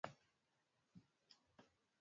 katika hali nzuri na tukafanyaa